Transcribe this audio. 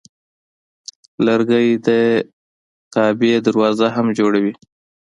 لرګی د کعبې دروازه هم جوړوي.